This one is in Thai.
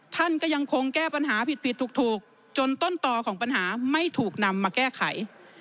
ท่านก็ยังคงแก้ปัญหาผิดผิดถูกจนต้นต่อของปัญหาไม่ถูกนำมาแก้ไข